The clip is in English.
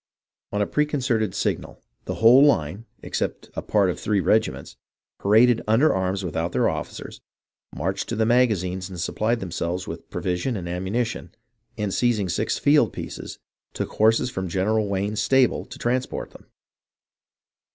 On a preconcerted signal, the whole line, except a part of three regiments, paraded under arms without their officers, marched to the maga zines and supplied themselves with provision and ammuni tion, and seizing six field pieces, took horses from General Wayne's stable to transport them.